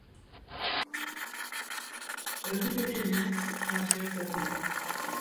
Öldü mü ki ne, Hacer kadın?